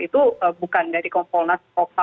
itu bukan dari kompolnas